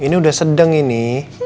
ini udah sedang ini